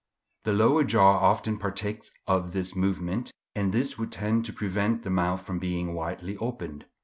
The lower jaw often partakes of this movement, and this would tend to prevent the mouth from being widely opened.